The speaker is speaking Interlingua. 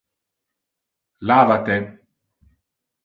Lava te.